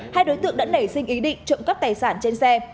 hai đối tượng đã nảy sinh ý định trộm cắp tài sản trên xe